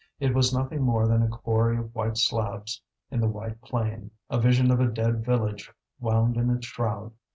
It was nothing more than a quarry of white slabs in the white plain, a vision of a dead village wound in its shroud.